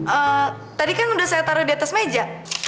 eee tadi kan udah saya taruh di atas meja